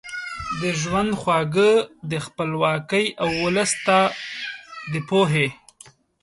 ده د ژوند خواږه د خپلواکۍ او ولس ته د پوهې